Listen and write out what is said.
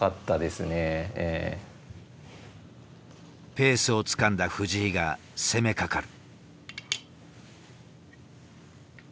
ペースをつかんだ藤井が攻めかかる。